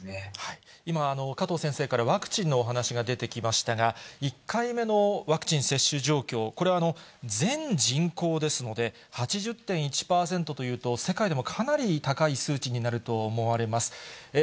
今、加藤先生から、ワクチンのお話が出てきましたが、１回目のワクチン接種状況、これは全人口ですので、８０．１％というと、世界でもかなり高い数値になると思われます。